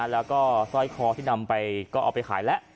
แล้วก็สร้อยคอที่นำไปก็เอาไปขายแล้ว